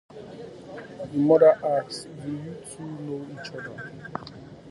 The mother asks Do you two know each other?